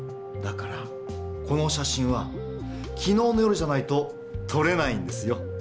だからこの写真はきのうの夜じゃないととれないんですよ。